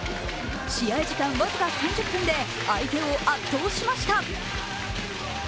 試合時間僅か３０分で相手を圧倒しました。